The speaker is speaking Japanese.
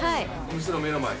店の目の前に。